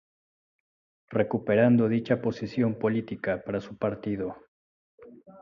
Recuperando dicha posición política para su Partido.